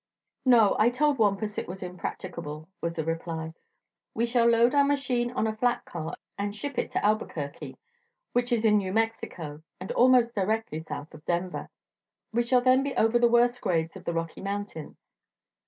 "No; I told Wampus it was impracticable," was the reply. "We shall load our machine on a flat car and ship it to Albuquerque, which is in New Mexico and almost directly south of Denver. We shall then be over the worst grades of the Rocky Mountains."